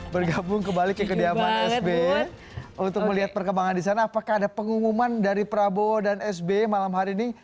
bergabung kembali ke kediaman sby untuk melihat perkembangan di sana apakah ada pengumuman dari prabowo dan sb malam hari ini